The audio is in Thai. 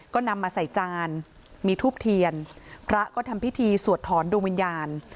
ก็นำมาใส่จานมีทูบเทียนพระก็ทำพิธีสวดถอนดวงวิญญาณ